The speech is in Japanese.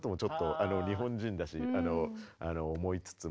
あぁ。日本人だし思いつつも。